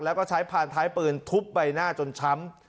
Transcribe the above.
แล้วก็ใช้พานท้ายปืนทุบใบหน้าจนช้ำ